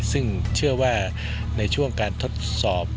ซึ่งเชื่อว่าในช่วงการทดสอบ